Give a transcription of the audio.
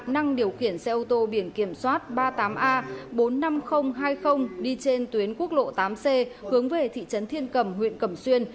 năng điều khiển xe ô tô biển kiểm soát ba mươi tám a bốn mươi năm nghìn hai mươi đi trên tuyến quốc lộ tám c hướng về thị trấn thiên cầm huyện cầm xuyên